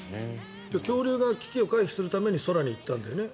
恐竜が危機を回避するために空に行ったんだよね。